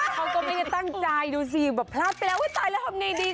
เขาก็ไม่ได้ตั้งใจดูสิแบบพลาดไปแล้วตายแล้วทำไงดี